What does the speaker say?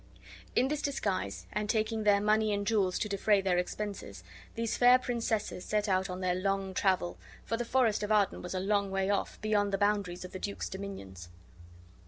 In this disguise, and taking their money and jewels to defray their expenses, these fair princesses set out on their long travel; for the forest of Arden was a long way off, beyond the boundaries of the duke's dominions.